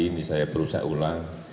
ini saya perusahaan ulang